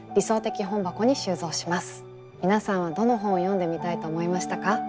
皆さんはどの本を読んでみたいと思いましたか？